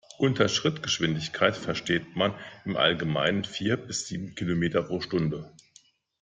Unter Schrittgeschwindigkeit versteht man im Allgemeinen vier bis sieben Kilometer pro Stunde.